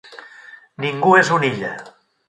Ningú és una illa.